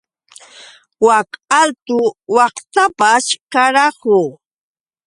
Wak altu waqtapaćhr, ¡karahu!